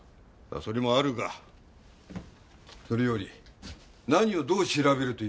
それもあるがそれより何をどう調べるというんだ？